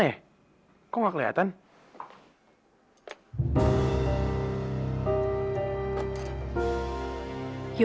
pasti mau janjian sama pacar barunya